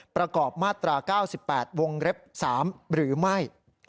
ประกอบมาตรา๙๘วงเล็บ๓หรือไม่